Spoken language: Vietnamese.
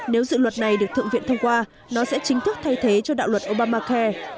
nếu dự luật này được thượng viện thông qua nó sẽ chính thức thay thế cho đạo luật obamacare